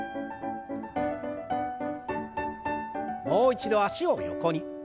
もう一度脚を横に。